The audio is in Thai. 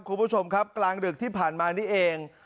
คุณผู้ชมครับกลางดึกที่ผ่านมานี่เอง